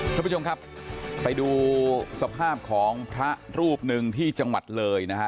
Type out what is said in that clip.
ท่านผู้ชมครับไปดูสภาพของพระรูปหนึ่งที่จังหวัดเลยนะฮะ